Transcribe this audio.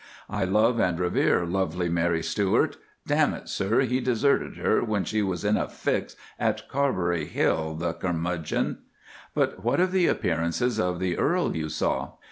I love and revere lovely Mary Stuart. Damn it, sir, he deserted her when she was in a fix at Carberry Hill, the curmudgeon." "But what of the appearances of the Earl you saw?"